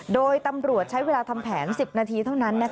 โดยตำรวจใช้เวลาทำแผน๑๐นาทีเท่านั้น